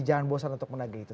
jangan bosan untuk menagih itu